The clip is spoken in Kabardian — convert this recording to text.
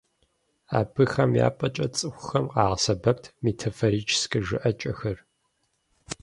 Абыхэм я пӏэкӏэ цӏыхухэм къагъэсэбэпт метафорическэ жыӏэкӏэхэр.